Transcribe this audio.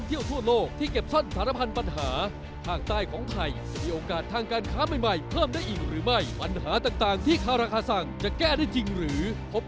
เดี๋ยวเอาไว้ถึงเวลาก่อนเพราะตอบไม่ได้ก็บอกวาธกรรมตายแล้วว่ะ